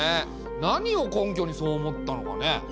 何をこんきょにそう思ったのかね？